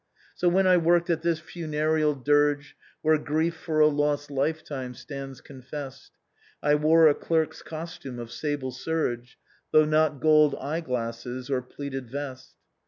" So, when I worked at this funereal dirge, Where grief for a lost lifetime stands confessed, I wore a clerk's costume of sable serge, Though not gold eye glasses or pleated vest.